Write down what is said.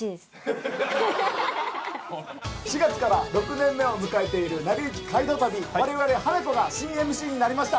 ４月から６年目を迎えている『なりゆき街道旅』われわれハナコが新ＭＣになりました。